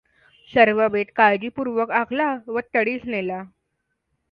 सर्व बेत काळ्जीपूर्वक आखला व तडीस नेला.